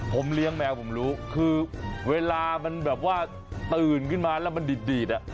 ผมเลี้ยงแมวผมรู้คือเวลามันแบบว่าตื่นขึ้นมาแล้วมันดีดอ่ะ